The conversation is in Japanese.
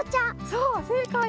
そうせいかい！